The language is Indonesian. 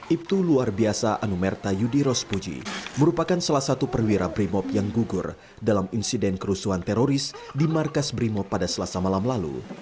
ibtu luar biasa anumerta yudi rospuji merupakan salah satu perwira brimob yang gugur dalam insiden kerusuhan teroris di markas brimob pada selasa malam lalu